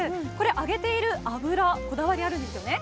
揚げている油こだわりがあるんですよね。